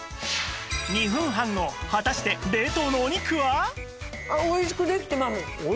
２分半後果たして冷凍のお肉は？